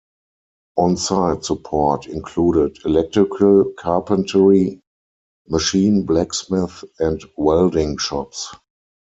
Onsite support included electrical, carpentry, machine, blacksmith, and welding shops.